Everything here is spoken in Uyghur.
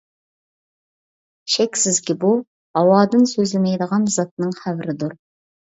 شەكسىزكى بۇ، ھاۋادىن سۆزلىمەيدىغان زاتنىڭ خەۋىرىدۇر.